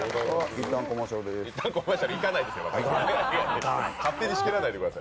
いったんコマーシャルいかないですよ、まだ。